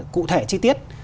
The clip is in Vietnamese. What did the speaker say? cụ thể chi tiết